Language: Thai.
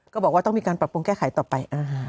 ก็บอกว่าต้องมีการปรับปรุงแก้ไขต่อไป